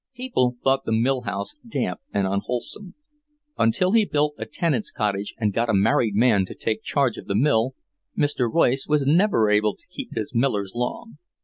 People thought the mill house damp and unwholesome. Until he built a tenant's cottage and got a married man to take charge of the mill, Mr. Royce was never able to keep his millers long.